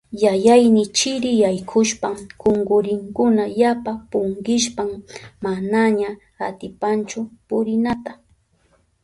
Yayayni chiri yaykushpan kunkurinkuna yapa punkishpan manaña atipanchu purinata.